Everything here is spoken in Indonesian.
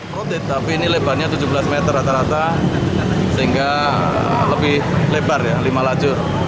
rotite tapi ini lebarnya tujuh belas meter rata rata sehingga lebih lebar ya lima lajur